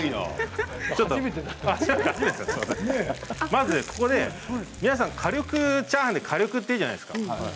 まずここで皆さんチャーハンで火力っていうじゃないですか。